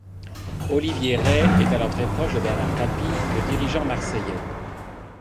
Olivier Rey était alors très proche de Bernard Tapie, le dirigeant marseillais.